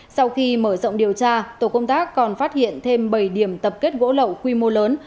sau khi mở rộng điều tra tổ công tác còn phát hiện thêm bảy điểm tập kết gỗ lậu quy mô lớn